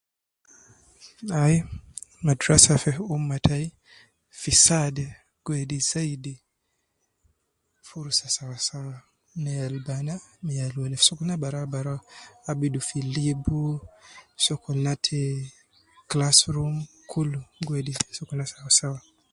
Ai, madrasa fi ummah tayi fi saade gi wedi zaidi furusa sawasawa ne yal banaa me yal welee, fi sokolna baraabaraa abidu fi libu sokolna te classroom, kulu gi wedi sokolna sawasawa.